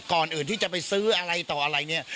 ก่อนอื่นที่จะไปซื้ออะไรต่ออะไรเนี่ย